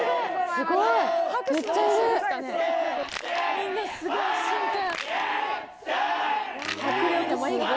みんなすごい真剣。